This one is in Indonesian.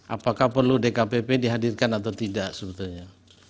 apakah perlu dkpp dihadirkan atau tidak sebetulnya